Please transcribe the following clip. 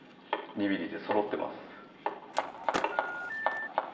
２ｍｍでそろってます